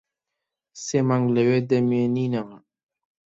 سێ مانگ لەوێ دەمێنینەوە.